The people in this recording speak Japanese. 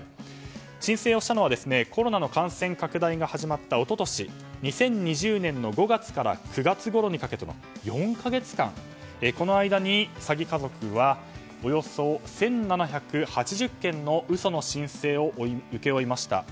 申請をしたのはコロナの感染拡大が始まった一昨年、２０２０年の５月から９月ごろにかけての４か月間、この間に詐欺家族はおよそ１７８０件の嘘の申請を請け負いました。